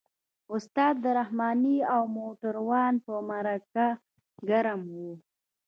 استاد رحماني او موټروان په مرکه ګرم وو.